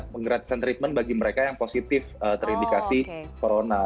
penggratisan treatment bagi mereka yang positif terindikasi corona